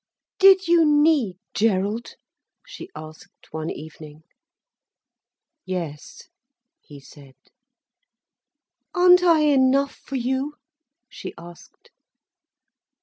"Did you need Gerald?" she asked one evening. "Yes," he said. "Aren't I enough for you?" she asked.